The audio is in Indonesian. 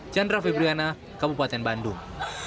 chandra fibriana kabupaten bandung